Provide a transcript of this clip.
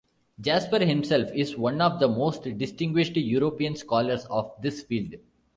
Jasper himself is one of the most distinguished European scholars of this field.